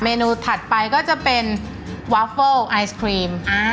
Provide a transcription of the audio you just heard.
นูถัดไปก็จะเป็นวาเฟิลไอศครีม